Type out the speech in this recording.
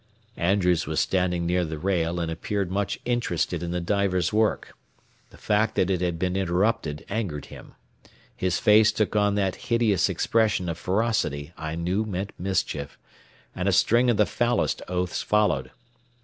Andrews was standing near the rail and appeared much interested in the diver's work. The fact that it had been interrupted angered him. His face took on that hideous expression of ferocity I knew meant mischief, and a string of the foulest oaths followed.